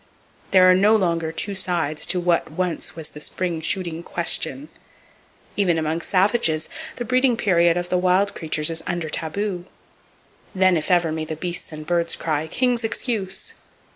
There are no longer two sides to what once was the spring shooting question. Even among savages, the breeding period of the wild creatures is under taboo. Then if ever may the beasts and birds cry "King's excuse!"